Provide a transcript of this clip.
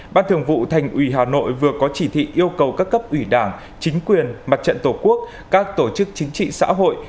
ban thường vụ thành ủy hà nội vừa có chỉ thị yêu cầu các cấp ủy đảng chính quyền mặt trận tổ quốc các tổ chức chính trị xã hội